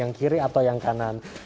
yang kiri atau yang kanan